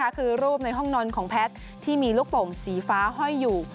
คือรูปในห้องนอนของแพทย์ที่มีลูกโป่งสีฟ้าห้อยอยู่